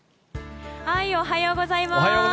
おはようございます。